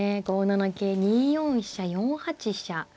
５七桂２四飛車４八飛車。